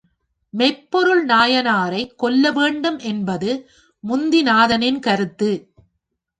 மெய்ப்பொருள் நாயனாரை கொல்ல வேண்டும் என்பது முத்திநாதனின் கருத்து.